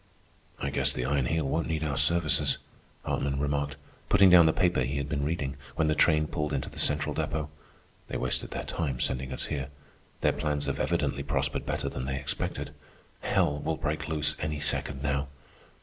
"I guess the Iron Heel won't need our services," Hartman remarked, putting down the paper he had been reading, when the train pulled into the central depot. "They wasted their time sending us here. Their plans have evidently prospered better than they expected. Hell will break loose any second now."